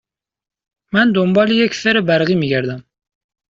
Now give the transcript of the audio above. من دنبال یک فر برقی می گردم.